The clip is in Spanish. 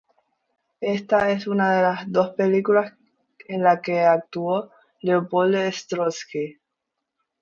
Esta es una de las dos películas en las que actúa Leopold Stokowski.